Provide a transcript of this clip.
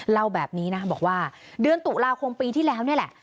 เล่าแบบนี้นะบอกว่าเดือนตุลาคมปีที่แล้วนี่แหละ